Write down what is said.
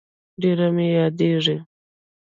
ډير مي ياديږي